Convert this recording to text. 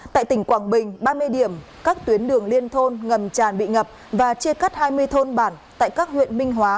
tại tỉnh quảng bình ba mươi điểm các tuyến đường liên thôn ngầm tràn bị ngập và chia cắt hai mươi thôn bản tại các huyện minh hóa